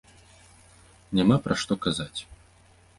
Няма пра што казаць.